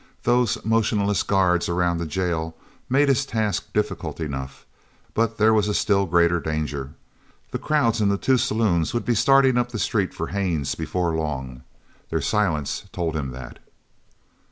Those motionless guards around the jail made his task difficult enough, but there was a still greater danger. The crowds in the two saloons would be starting up the street for Haines before long. Their silence told him that.